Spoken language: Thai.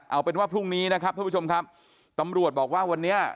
เอาเป็นว่าพรุ่งนี้นะครับท่านผู้ชมครับตำรวจบอกว่าวันนี้